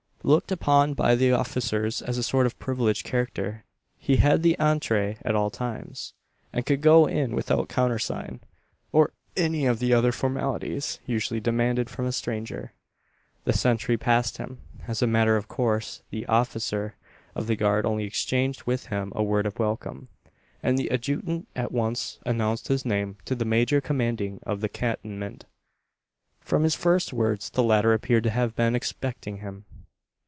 Looked upon by the officers as a sort of privileged character, he had the entree at all times, and could go in without countersign, or any of the other formalities usually demanded from a stranger. The sentry passed him, as a matter of course the officer of the guard only exchanged with him a word of welcome; and the adjutant at once announced his name to the major commanding the cantonment. From his first words, the latter appeared to have been expecting him.